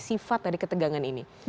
sifat dari ketegangan ini